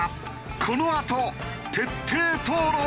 このあと徹底討論！